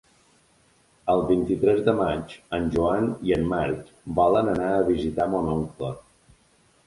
El vint-i-tres de maig en Joan i en Marc volen anar a visitar mon oncle.